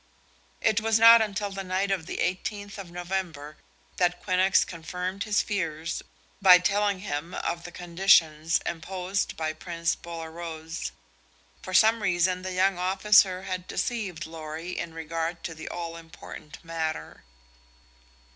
It was not until the night of the eighteenth of November that Quinnox confirmed his fears by telling him of the conditions imposed by Prince Bolaroz. For some reason the young officer had deceived Lorry in regard to the all important matter.